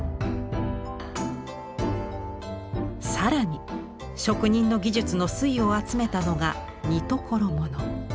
更に職人の技術の粋を集めたのが「三所物」。